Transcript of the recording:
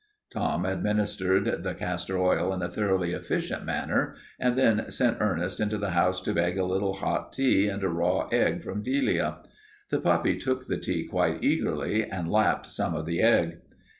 Tom administered the castor oil in a thoroughly efficient manner and then sent Ernest into the house to beg a little hot tea and a raw egg from Delia. The puppy took the tea quite eagerly and lapped some of the egg.